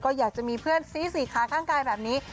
ก็อยากจะมีเพื่อนซีสี่ขาข้างกายแบบนี้